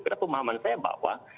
itu pemahaman saya pak